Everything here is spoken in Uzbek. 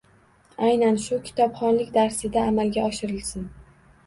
Aynan shu kitobxonlik darsida amalga oshirilsin.